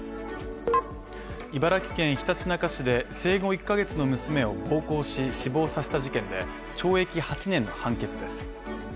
茨城県ひたちなか市で生後１カ月の娘を暴行し、死亡させた事件で、懲役８年の判決です。